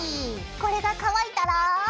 これが乾いたら。